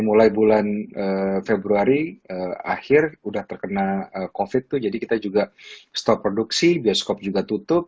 mulai bulan februari akhir udah terkena covid tuh jadi kita juga stop produksi bioskop juga tutup